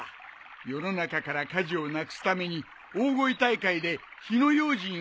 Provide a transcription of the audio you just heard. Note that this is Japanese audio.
世の中から火事をなくすために大声大会で火の用心を訴えるのさ。